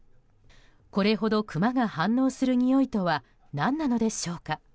これほどクマが反応するにおいとは何なのでしょうか。